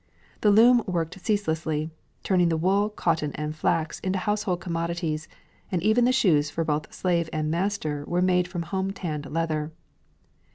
The loom worked ceaselessly, turning the wool, cotton, and flax into household commodities, and even the shoes for both slave and master were made from home tanned leather.